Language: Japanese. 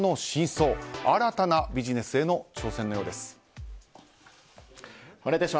新たなビジネスへの挑戦のようです。